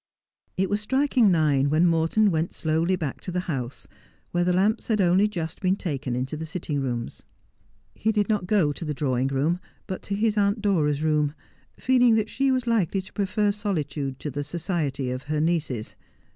It was striking nine when Morton went slowly back to the house, where the lamps had only just been taken into the sitting rooms. He did not go to the drawing room, but to his Aunt Dora's room, feeling that she was likely to prefer solitude to the society of her nieces.